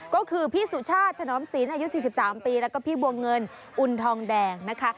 ก็คือพี่สุชาติถนอมศีลอายุ๔๓ปีแล้วก็พี่บัวเงินอุ่นทองแดงนะคะ